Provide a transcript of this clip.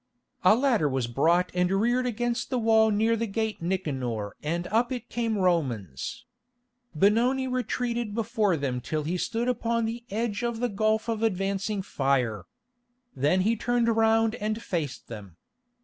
A ladder was brought and reared against the wall near the Gate Nicanor and up it came Romans. Benoni retreated before them till he stood upon the edge of the gulf of advancing fire. Then he turned round and faced them.